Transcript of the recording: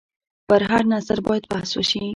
پر هر نظر باید بحث وشي.